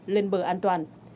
lên bờ an toàn